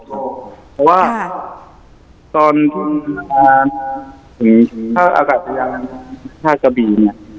เพราะว่าตอนที่ถ้าอากาศพยาบาลประชาติกระบี